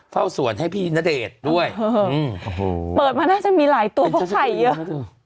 เฝ้าสวนให้พี่ณเดชน์ด้วยเปิดมาน่าจะมีหลายตัวเพราะไข่เยอะ